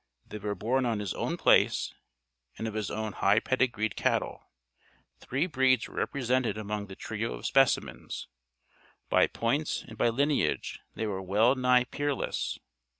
They were born on his own place and of his own high pedigreed cattle. Three breeds were represented among the trio of specimens. By points and by lineage they were well nigh peerless.